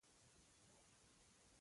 مېز د ناستې اسانتیا برابروي.